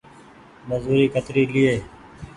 مزوري ڪتري ليئي ۔